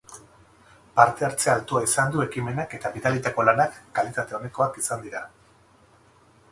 Parte-hartze altua izan du ekimenak eta bidalitako lanak kalitate onekoak izan dira.